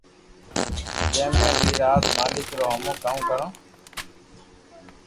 اي مي بي راز مالڪ رو ھمو ڪاو ڪرو